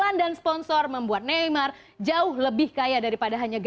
apa aja iklan dan sponsor membuat neymar jauh lebih kaya daripada hanya gajinya